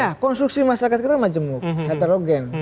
ya konstruksi masyarakat kita majemuk heterogen